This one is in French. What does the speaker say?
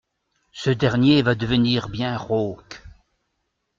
Ce dernier va devenir bien rauque.